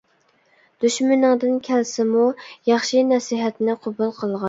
دۈشمىنىڭدىن كەلسىمۇ ياخشى نەسىھەتنى قوبۇل قىلغىن.